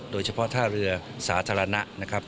โดยเฉพาะท่าเรือสาธารณะนะครับ